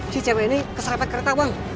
si cewek ini keserempet kereta bang